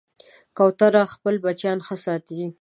کوتره خپل بچیان ښه ساتي.